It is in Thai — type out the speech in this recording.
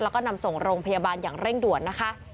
แล้วก็นำส่งโรงพยาบาลอย่างเร่งด่วนนะคะ